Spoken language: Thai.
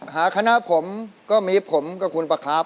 คณะผมก็มีผมกับคุณประครับ